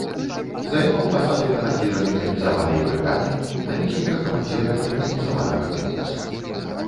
Займаў пасады камандзіра механізаванай брыгады, намесніка камандзіра механізаванага корпуса.